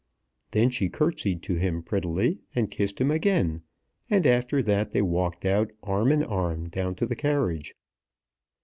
Then she curtsied to him prettily, and kissed him again; and after that they walked out arm in arm down to the carriage.